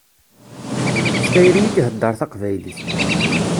S tayri i iheddeṛ taqbaylit.